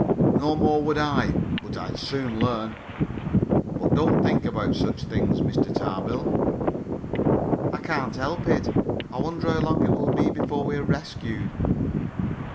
"No more would I, but I'd soon learn. But don't think about such things, Mr. Tarbill." "I can't help it. I wonder how long it will be before we are rescued?"